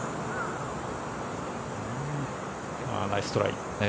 ナイストライ。